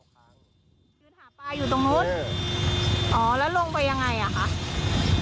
ก็ต้องตรวจสอบอีกนะฮะ